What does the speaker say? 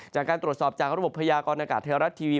จากการตรวจสอบจากระบบพยากรนักการเทศรัตน์ทีวี